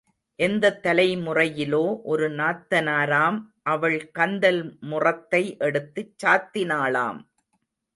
எந்தத் தலைமுறையிலோ ஒரு நாத்தனாராம் அவள் கந்தல் முறத்தை எடுத்துச் சாத்தினாளாம்.